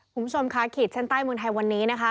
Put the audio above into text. คุณผู้ชมค่ะขีดเส้นใต้เมืองไทยวันนี้นะคะ